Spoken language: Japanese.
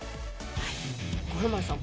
五郎丸さん